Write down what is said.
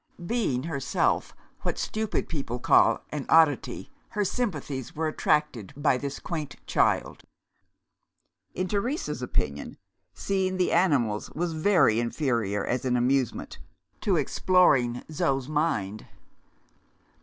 Being herself what stupid people call "an oddity," her sympathies were attracted by this quaint child. In Teresa's opinion, seeing the animals was very inferior, as an amusement, to exploring Zo's mind.